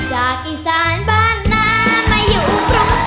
จากอีสานบ้านน้ำมาอยู่พร้อม